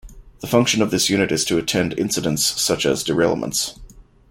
The function of this unit is to attend incidents, such as derailments.